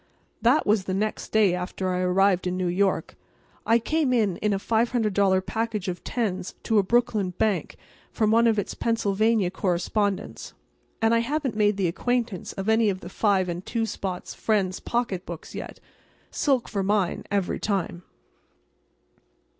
That was the next day after I arrived in New York. I came in a $500 package of tens to a Brooklyn bank from one of its Pennsylvania correspondents—and I haven't made the acquaintance of any of the five and two spot's friends' pocketbooks yet. Silk for mine, every time.